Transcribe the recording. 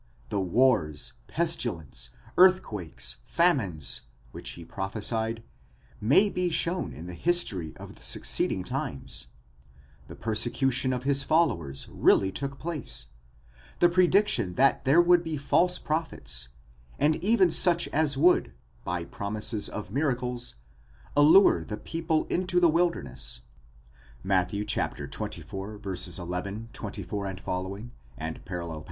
The wars, pestilence, earthquakes, famines, which he prophesied, may be shown in the history of the succeeding times ; the persecution of his followers really took place ; the prediction that there would be false prophets, and even such as would, by promises of miracles, allure the people into the wilderness (Matt. xxiv, 11, 24 ff. parall.)